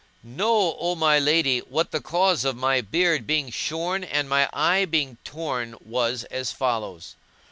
Know, O my lady, that the cause of my beard being shorn and my eye being out torn was as follows.